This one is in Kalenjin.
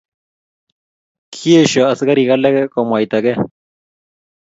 Kiesho askarik alake komwaita ke.